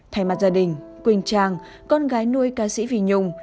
thay mặt gia đình quỳnh trang con gái nuôi ca sĩ vy nhung